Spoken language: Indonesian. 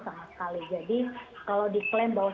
sama sekali jadi kalau diklaim bahwa